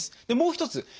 でもう一つ。